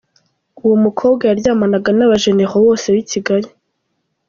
Uwo mukobwa yaryamanaga n’aba généraux bose b’i Kigali.